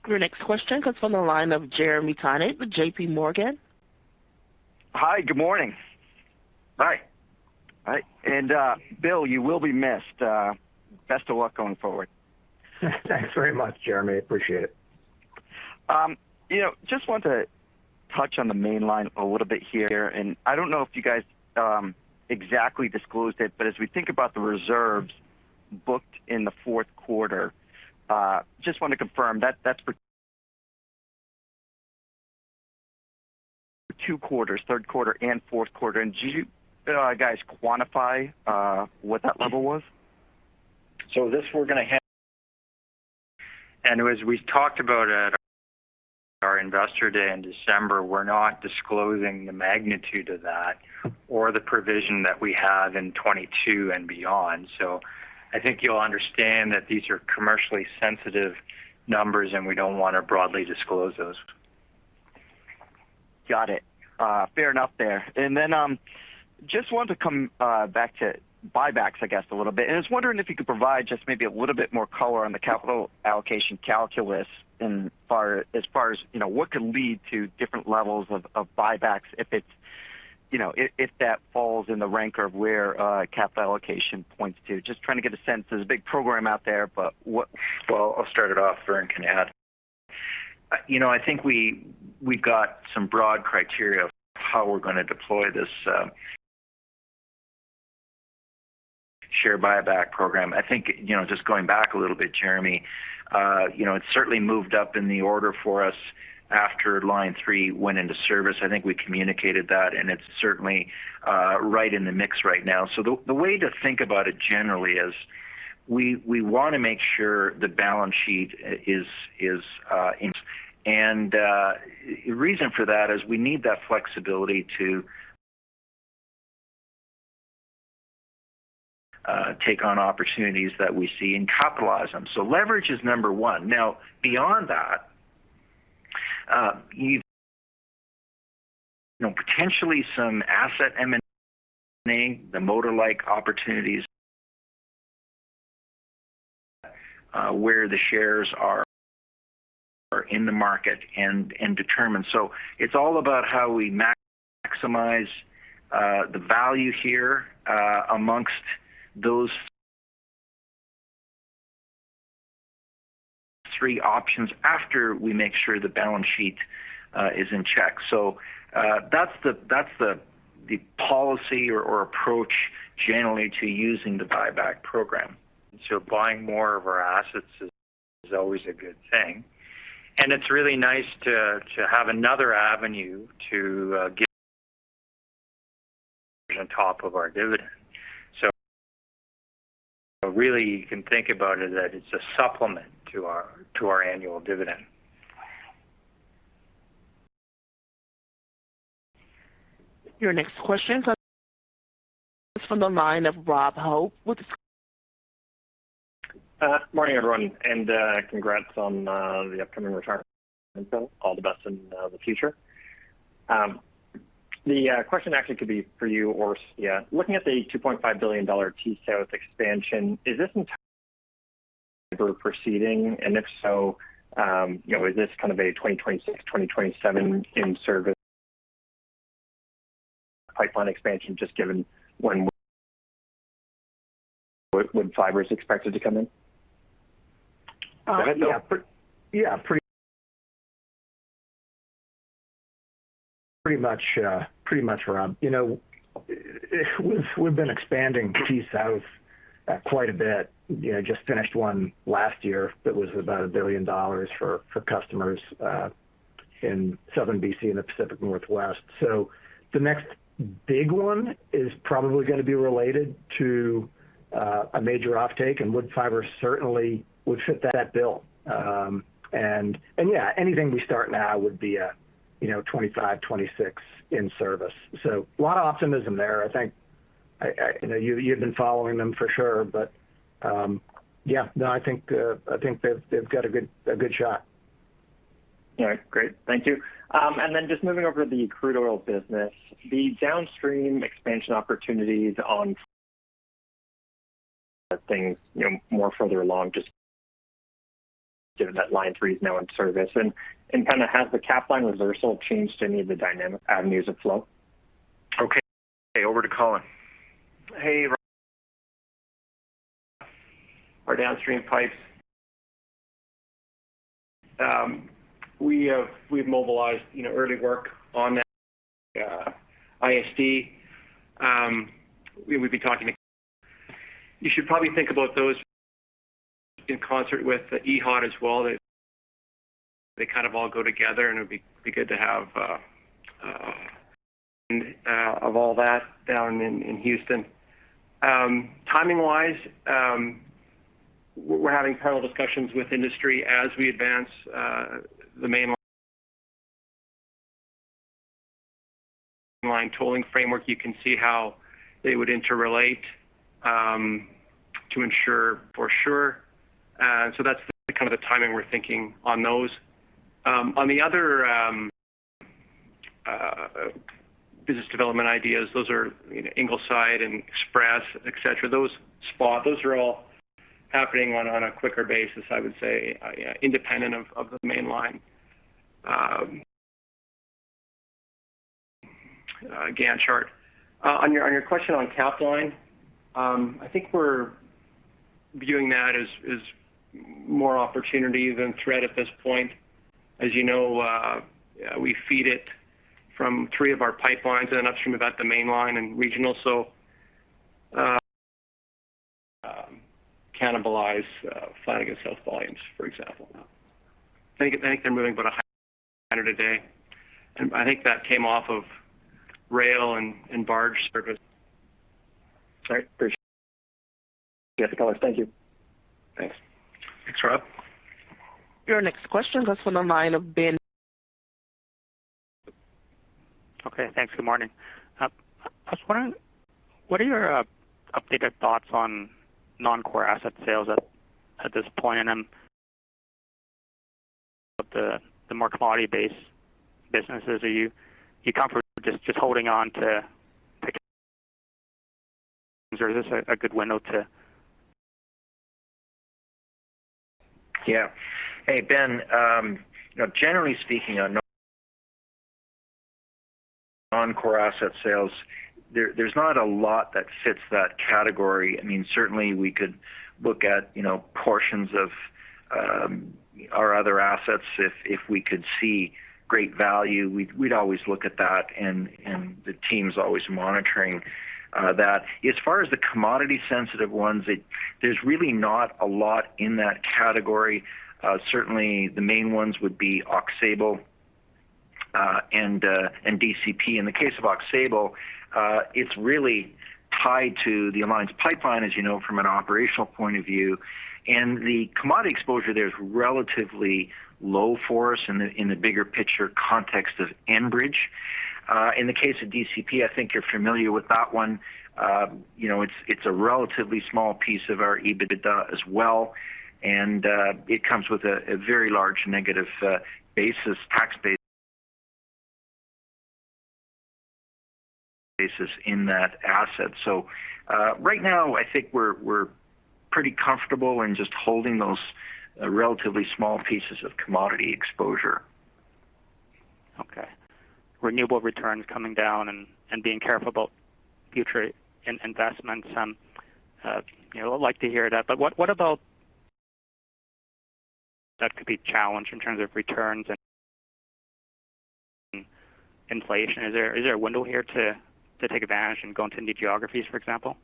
Your next question comes from the line of Jeremy Tonet with JPMorgan. Hi. Good morning. Hi. Hi. Bill, you will be missed. Best of luck going forward. Thanks very much, Jeremy. Appreciate it. You know, just want to touch on the Mainline a little bit here, and I don't know if you guys exactly disclosed it, but as we think about the reserves booked in the fourth quarter, just wanna confirm that that's for two quarters, third quarter and fourth quarter. Do you guys quantify what that level was? As we talked about at our Enbridge Day in December, we're not disclosing the magnitude of that or the provision that we have in 2022 and beyond. I think you'll understand that these are commercially sensitive numbers, and we don't wanna broadly disclose those. Got it. Fair enough there. Just wanted to come back to buybacks, I guess, a little bit. I was wondering if you could provide just maybe a little bit more color on the capital allocation calculus as far as, you know, what could lead to different levels of buybacks if it's, you know, if that falls in the rank of where capital allocation points to. Just trying to get a sense. There's a big program out there, but what- Well, I'll start it off, Vern can add. You know, I think we've got some broad criteria of how we're gonna deploy this share buyback program. I think, you know, just going back a little bit, Jeremy, you know, it certainly moved up in the order for us after Line 3 went into service. I think we communicated that, and it's certainly right in the mix right now. The way to think about it generally is we wanna make sure the balance sheet is in... The reason for that is we need that flexibility to take on opportunities that we see and capitalize them. So leverage is number one. Now, beyond that, you know, potentially some asset M&A, the more-like opportunities, where the shares are in the market and determine. It's all about how we maximize the value here among those three options after we make sure the balance sheet is in check. That's the policy or approach generally to using the buyback program. Buying more of our assets is always a good thing. It's really nice to have another avenue to give on top of our dividend. Really, you can think about it that it's a supplement to our annual dividend. Your next question comes from the line of Rob Hope with- Morning, everyone, and congrats on the upcoming retirement. All the best in the future. The question actually could be for you or Sia. Looking at the 2.5 billion dollar T-South expansion, is this entirely proceeding? If so, is this kind of a 2026, 2027 in-service pipeline expansion just given when Woodfibre is expected to come in? Yeah. Pretty much, Rob. You know, we've been expanding T-South quite a bit. You know, just finished one last year that was about 1 billion dollars for customers in southern BC and the Pacific Northwest. The next big one is probably gonna be related to a major offtake, and Woodfibre certainly would fit that bill. And yeah, anything we start now would be, you know, 25, 26 in service. A lot of optimism there. I think you've been following them for sure. Yeah, no, I think they've got a good shot. All right, great. Thank you. just moving over to the crude oil business, the downstream expansion opportunities on things, you know, more further along, just given that Line 3 is now in service. kinda has the Capline reversal changed any of the dynamic avenues of flow? Okay. Over to Colin. Hey, Rob. Our downstream pipes, we've mobilized, you know, early work on that ISD. We would be talking. You should probably think about those in concert with the EHOT as well. They kind of all go together, and it'd be good to have of all that down in Houston. Timing-wise, we're having parallel discussions with industry as we advance the Mainline tolling framework. You can see how they would interrelate to ensure for sure. So that's the kind of timing we're thinking on those. On the other business development ideas, those are, you know, Ingleside and Express, et cetera. Those are all happening on a quicker basis, I would say, independent of the Mainline Gantt chart. On your question on Capline, I think we're viewing that as more opportunity than threat at this point. As you know, we feed it from three of our pipelines and an upstream about the Mainline and regional, so cannibalize Flanagan South volumes, for example. I think they're moving about 100 a day, and I think that came off of rail and barge service. All right. Appreciate it. Yes, of course. Thank you. Thanks. Thanks, Rob. Your next question comes from the line of Ben. Okay, thanks. Good morning. I was wondering, what are your updated thoughts on non-core asset sales at this point? The more commodity-based businesses. Are you comfortable just holding on to, or is this a good window to? Yeah. Hey, Ben. You know, generally speaking on non-core asset sales, there's not a lot that fits that category. I mean, certainly we could look at, you know, portions of our other assets if we could see great value. We'd always look at that, and the team's always monitoring that. As far as the commodity sensitive ones, there's really not a lot in that category. Certainly the main ones would be Aux Sable and DCP. In the case of Aux Sable, it's really tied to the Alliance Pipeline, as you know, from an operational point of view. The commodity exposure there is relatively low for us in the bigger picture context of Enbridge. In the case of DCP, I think you're familiar with that one. You know, it's a relatively small piece of our EBITDA as well, and it comes with a very large negative basis, tax basis in that asset. Right now I think we're pretty comfortable in just holding those relatively small pieces of commodity exposure. Okay. Renewable returns coming down and being careful about future investments. You know, I like to hear that. What about that could be challenged in terms of returns and inflation? Is there a window here to take advantage and go into new geographies, for example?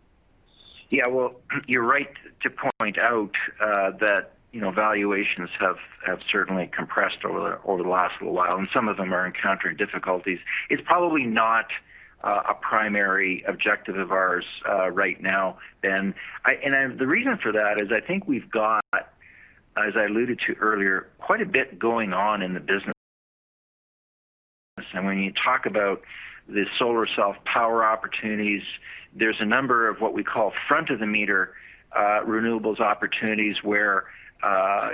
Yeah. Well, you're right to point out that, you know, valuations have certainly compressed over the last little while, and some of them are encountering difficulties. It's probably not a primary objective of ours right now, Ben. The reason for that is I think we've got, as I alluded to earlier, quite a bit going on in the business. When you talk about the solar self-power opportunities, there's a number of what we call front of the meter renewables opportunities where,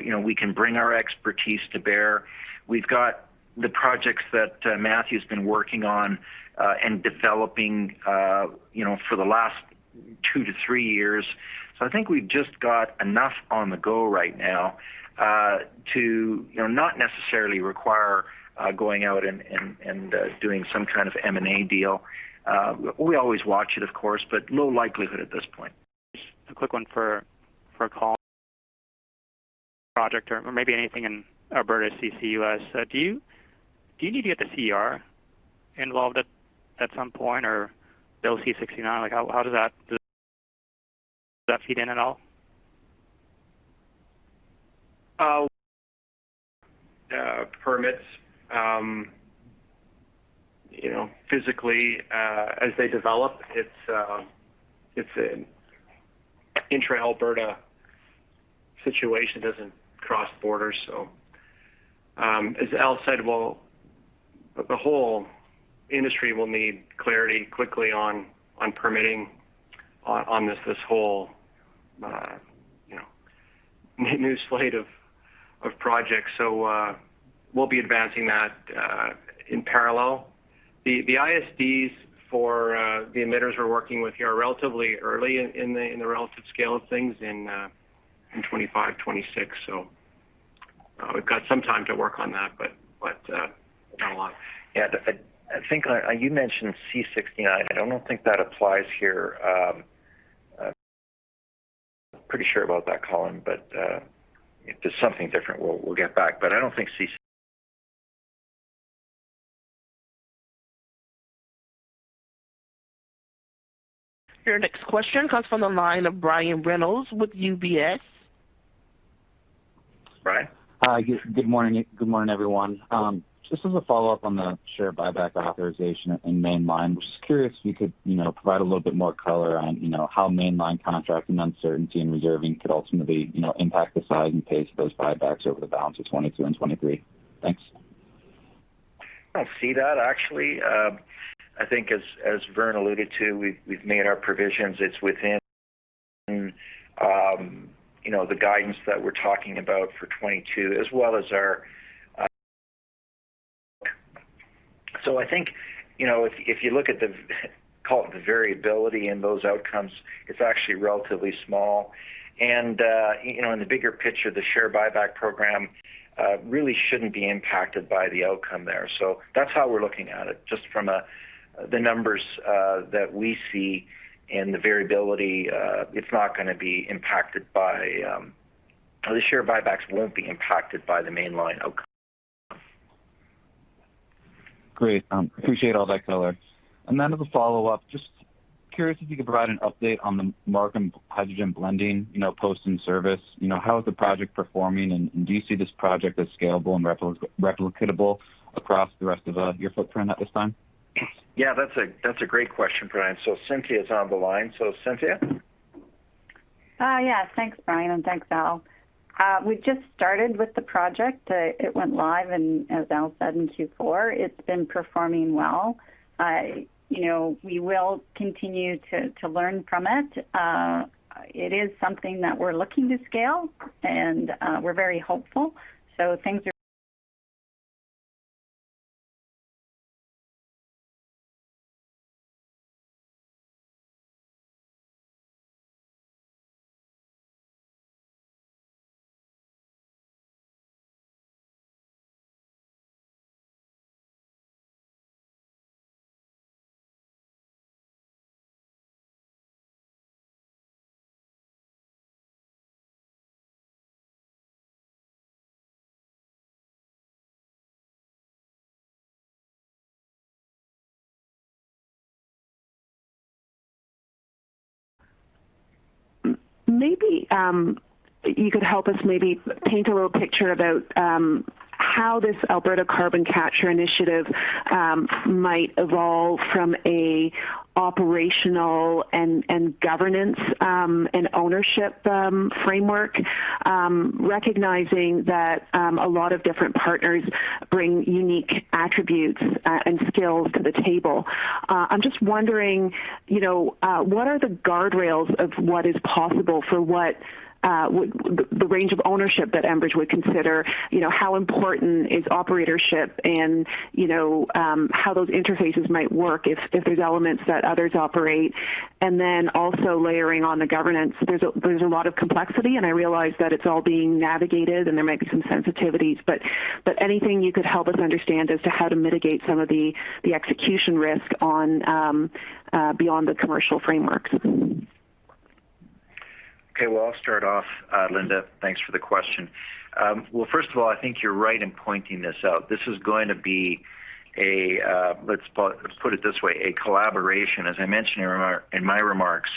you know, we can bring our expertise to bear. We've got the projects that Matthew's been working on and developing, you know, for the last two to three years. I think we've just got enough on the go right now, to you know not necessarily require going out and doing some kind of M&A deal. We always watch it, of course, but low likelihood at this point. Just a quick one for Colin. Project or maybe anything in Alberta CCUS. Do you need to get the CER involved at some point or Bill C-69? Like, how does that feed in at all? Permits, you know, physically, as they develop, it's an intra Alberta situation. It doesn't cross borders. As Al said, the whole industry will need clarity quickly on permitting on this whole, you know, new slate of projects. We'll be advancing that in parallel. The ISDs for the emitters we're working with here are relatively early in the relative scale of things in 2025, 2026. We've got some time to work on that, but not a lot. Yeah. I think you mentioned C-69. I don't think that applies here. Pretty sure about that, Colin, but if there's something different, we'll get back. I don't think C- Your next question comes from the line of Brian Reynolds with UBS. Bryan. Hi. Good morning. Good morning, everyone. Just as a follow-up on the share buyback authorization in Mainline. Was just curious if you could, you know, provide a little bit more color on, you know, how Mainline contracting uncertainty and reserving could ultimately, you know, impact the size and pace of those buybacks over the balance of 2022 and 2023. Thanks. I see that actually. I think as Vern alluded to, we've made our provisions. It's within you know the guidance that we're talking about for 2022 as well as our. I think you know if you look at call it the variability in those outcomes, it's actually relatively small. You know in the bigger picture, the share buyback program really shouldn't be impacted by the outcome there. That's how we're looking at it. Just from the numbers that we see and the variability, it's not going to be impacted by. The share buybacks won't be impacted by the Mainline outcome. Great. Appreciate all that color. As a follow-up, just curious if you could provide an update on the Markham hydrogen blending, you know, post in-service. You know, how is the project performing and do you see this project as scalable and replicatable across the rest of your footprint at this time? Yeah, that's a great question, Brian. Cynthia is on the line. Cynthia. Yeah. Thanks, Brian, and thanks, Al. We've just started with the project. It went live in, as Al said, in Q4. It's been performing well. You know, we will continue to learn from it. It is something that we're looking to scale, and we're very hopeful. Things are. Maybe you could help us maybe paint a little picture about how this Alberta Carbon Capture initiative might evolve from an operational and governance and ownership framework, recognizing that a lot of different partners bring unique attributes and skills to the table. I'm just wondering, you know, what are the guardrails of what is possible for the range of ownership that Enbridge would consider. You know, how important is operatorship and how those interfaces might work if there's elements that others operate. Then also layering on the governance. There's a lot of complexity, and I realize that it's all being navigated and there might be some sensitivities, but anything you could help us understand as to how to mitigate some of the execution risk on beyond the commercial frameworks. Okay. Well, I'll start off, Linda. Thanks for the question. Well, first of all, I think you're right in pointing this out. This is going to be a, let's put it this way, a collaboration. As I mentioned in my remarks,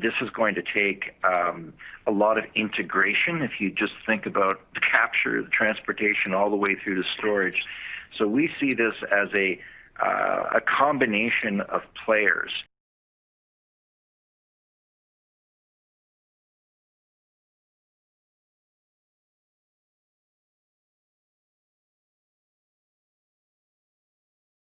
this is going to take a lot of integration if you just think about the capture, the transportation all the way through to storage. So we see this as a combination of players.